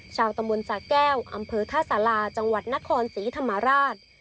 ชาวตำบลสาแก้วอำเภอท่าสาราจังหวัดนครศรีธรรมราช